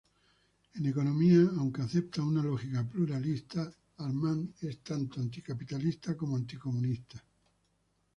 En economía aunque acepta una lógica pluralista, Armand es tanto anticapitalista como anticomunista.